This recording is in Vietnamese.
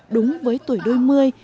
đúng với tuổi đôi mươi